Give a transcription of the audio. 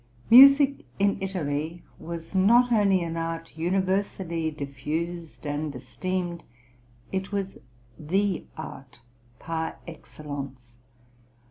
Music in Italy was not only an art universally diffused and esteemed, it was the Art par excellence.